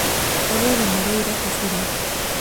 La obra de Moreyra es variada.